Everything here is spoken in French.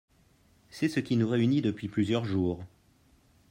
C’est ce qui nous réunit depuis plusieurs jours.